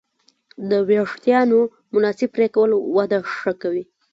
د وېښتیانو مناسب پرېکول وده ښه کوي.